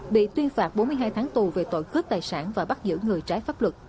bị tuyên phạt bốn mươi hai tháng tù về tội cướp tài sản và bắt giữ người trái pháp luật